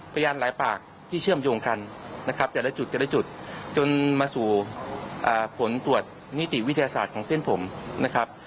พยานหลายปากที่เชื่อมโยงกันนะครับแต่ละจุดแต่ละจุดจนมาสู่ผลตรวจนิติวิทยาศาสตร์ของเส้นผมนะครับ